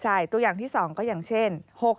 ใช่ตัวอย่างที่๒ก็อย่างเช่น